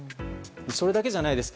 それだけじゃないです。